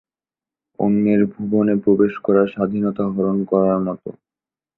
অন্যের ভুবনে প্রবেশ করা স্বাধীনতা হরণ করার মতো।